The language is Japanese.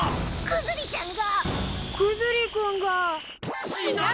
クズリちゃん！